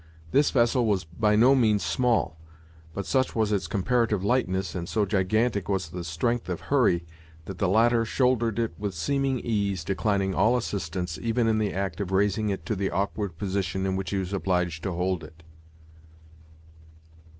This vessel was by no means small; but such was its comparative lightness, and so gigantic was the strength of Hurry, that the latter shouldered it with seeming ease, declining all assistance, even in the act of raising it to the awkward position in which he was obliged to hold it.